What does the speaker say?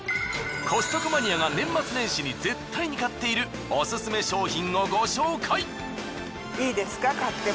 コストコマニアが年末年始に絶対に買っているオススメ商品をご紹介！